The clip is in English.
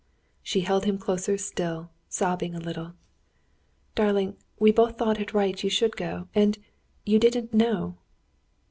She held him closer still, sobbing a little. "Darling, we both thought it right you should go. And you didn't know."